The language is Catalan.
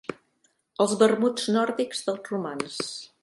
Els vermuts nòrdics dels romans.